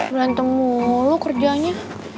belantem mulu kerjanya